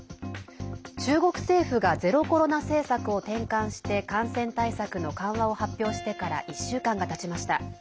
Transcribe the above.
中国政府がゼロコロナ政策を転換して感染対策の緩和を発表してから１週間がたちました。